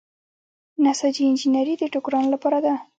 نساجي انجنیری د ټوکرانو لپاره ده.